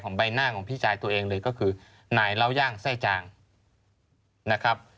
ใบหน้าของพี่ชายตัวเองเลยก็คือนายเล่าย่างไส้จางนะครับ